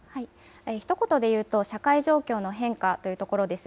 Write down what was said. ひと言で言うと、社会状況の変化というところです。